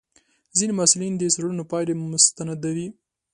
ځینې محصلین د څېړنو پایلې مستندوي.